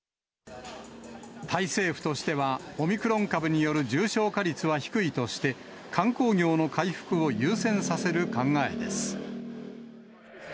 タイ政府としては、オミクロン株による重症化率は低いとして、観光業の回復を優先させる考えです。